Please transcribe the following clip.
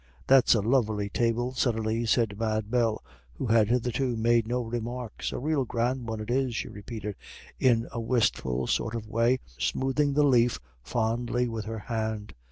"That's a lovely table," suddenly said Mad Bell, who had hitherto made no remarks. "A rael grand one it is," she repeated, in a wistful sort of way, smoothing the leaf fondly with her hand.